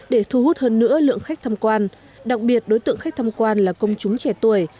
để thu hút hơn nữa lượng khách tham quan đặc biệt đối tượng khách thăm quan là công chúng trẻ tuổi